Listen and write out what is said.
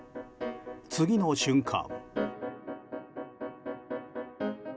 次の瞬間。